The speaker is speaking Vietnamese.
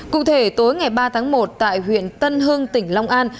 cụ thể tối ngày ba tháng một tại huyện tân hưng tỉnh long an